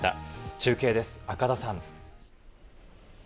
中継です、赤田さん。